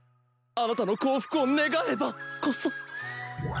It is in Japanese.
あなたの幸福を願えばこそ。